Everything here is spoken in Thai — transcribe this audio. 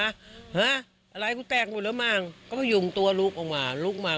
อะไรก็แตกบ้างแล้วอ่ะยกก็ลุกมา